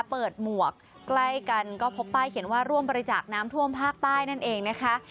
หมวกใกล้กันก็พบป้ายเขียนว่าร่วมบริจาคน้ำท่วมภาคใต้นั่นเองนะคะ